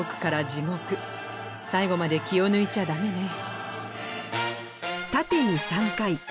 最後まで気を抜いちゃダメね。